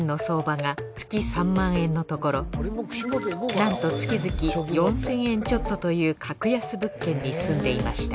なんと月々４，０００円ちょっとという格安物件に住んでいました